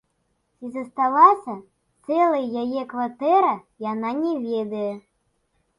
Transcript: Ці засталася цэлай яе кватэра, яна не ведае.